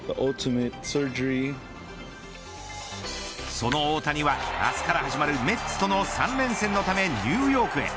その大谷は、明日から始まるメッツとの３連戦のためニューヨークへ。